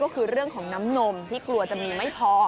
ก็คือเรื่องของน้ำนมที่กลัวจะมีไม่พอ